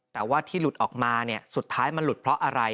แต่ว่าที่หลุดออกมาเนี่ยสุดท้ายมันหลุดเพราะอะไร